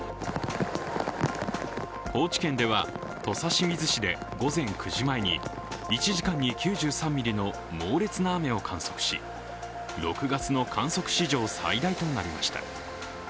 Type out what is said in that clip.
高知県では土佐清水市で午前９時前に１時間に９３ミリの猛烈な雨を観測し６月の観測史上最大となりました。